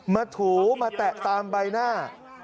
ถูมาแตะตามใบหน้า